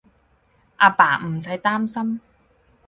阿爸，唔使擔心